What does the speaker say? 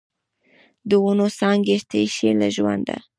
د ونو څانګې تشې له ژونده